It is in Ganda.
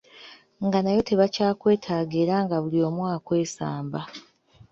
Nga nayo tebakyakwetaaga era nga buli omu akwesamba.